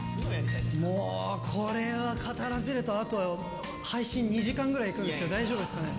もうこれは語らせると、あと配信２時間くらいいくんですけど、大丈夫ですかね？